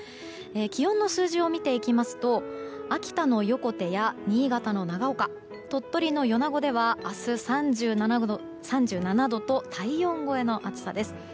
気温の数字を見ていきますと秋田の横手や新潟の長岡鳥取の米子では明日、３７度と体温超えの暑さです。